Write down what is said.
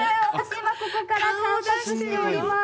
ここから顔出しております。